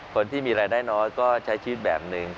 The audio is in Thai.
คนที่มีรายได้น้อยก็ใช้ชีวิตแบบหนึ่ง